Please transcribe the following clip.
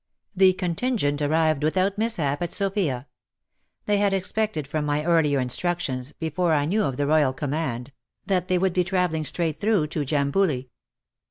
The contingent arrived without mishap at Sofia. They had expected from my earlier instructions, before I knew of the royal com mand, that they would be travelling straight through to Jamboli.